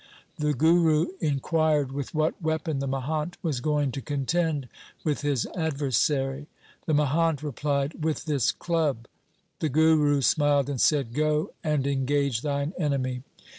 The Guru inquired with what weapon the mahant was going to contend with his adversary. The mahant replied, ' With this club.' The Guru smiled and said, ' Go and engage thine enemy.'